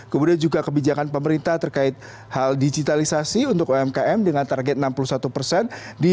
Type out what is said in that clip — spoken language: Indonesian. kemudian juga kebijakan pemerintah terkait hal digitalisasi untuk umkm dengan target enam puluh satu persen